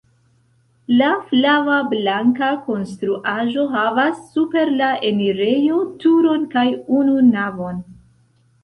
La flava-blanka konstruaĵo havas super la enirejo turon kaj unu navon.